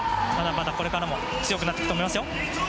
また、これからも強くなっていくと思いますよ。